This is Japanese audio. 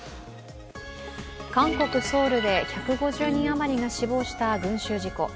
韓国・ソウルで１５０人余りが死亡した群集事故。